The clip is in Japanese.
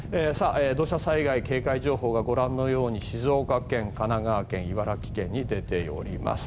土砂災害警戒情報がご覧のように静岡県、神奈川県、茨城県に出ております。